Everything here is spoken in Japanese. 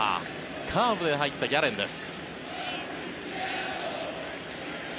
カーブから入ったギャレンです。